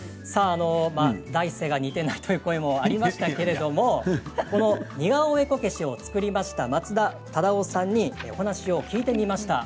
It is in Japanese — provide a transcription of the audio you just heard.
第一声が似ていないという声もありましたけれども似顔絵こけしを作りました松田忠雄さんにお話を聞きました。